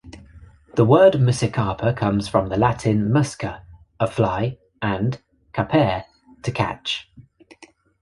The word "Muscicapa" comes from the Latin "musca", a fly and "capere", to catch.